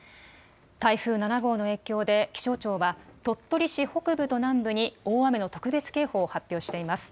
台風７号の影響で、気象庁は、鳥取市北部と南部に、大雨の特別警報を発表しています。